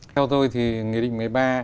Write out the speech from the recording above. theo tôi thì nghị định một mươi ba